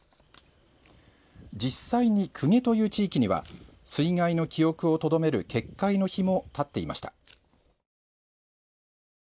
実際に、久下という地域には水害の記憶をとどめる決壊の碑も立っていました。